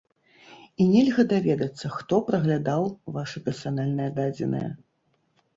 І нельга даведацца, хто праглядаў вашы персанальныя дадзеныя.